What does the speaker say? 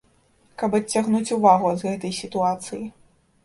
Каб адцягнуць увагу ад гэтай сітуацыі.